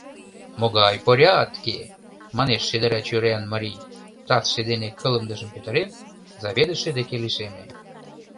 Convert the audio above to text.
— Могай порядке! — манеш шедыра чуриян марий, тазше дене кылымдыжым петырен, заведыше деке лишеме.